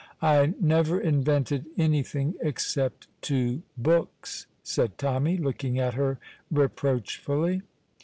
"I never invented anything, except two books," said Tommy, looking at her reproachfully.